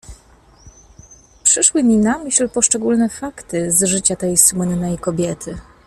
"Przyszły mi na myśl poszczególne fakty z życia tej słynnej kobiety."